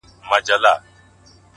• پر هر ځای به لکه ستوري ځلېدله,